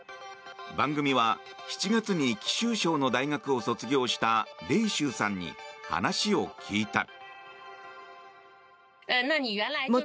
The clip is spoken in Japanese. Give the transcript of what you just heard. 番組は７月に貴州省の大学を卒業したレイ・シュウさんに話を聞いた。